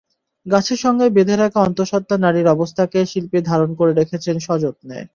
গাছের সঙ্গে বেঁধে রাখা অন্তঃসত্ত্বা নারীর অবস্থাকে শিল্পী ধারণ করে রেখেছেন সযত্নে।